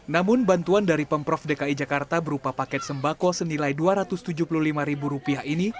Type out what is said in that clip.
namun bantuan dari pemprov dki jakarta berupa paket sembako senilai rp dua ratus tujuh puluh lima ini